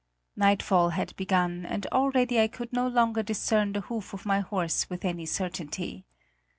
Nightfall had begun, and already I could no longer discern the hoof of my horse with any certainty.